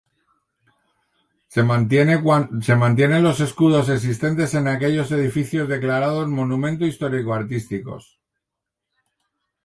Se mantiene los escudos existentes en aquellos edificios declarados monumentos histórico-artísticos.